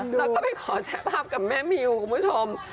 แล้วก็ไปขอแชร์ภาพกับแม่มิวคุณผู้ชม